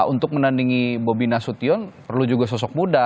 untuk menandingi bobi nasution perlu juga sosok muda